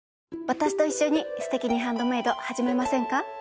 私と一緒に「すてきにハンドメイド」始めませんか？